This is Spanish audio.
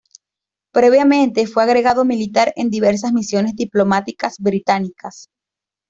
Previamente, fue agregado militar en diversas misiones diplomáticas británicas.